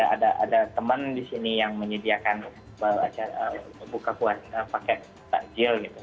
ada teman di sini yang menyediakan buka paket takjil gitu